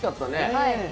はい。